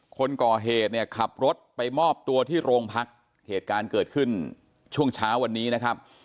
คนก่อเหตุเนี่ยขับรถไปมอบตัวที่โรงพักเหตุการณ์เกิดขึ้นช่วงเช้าวันนี้นะครับ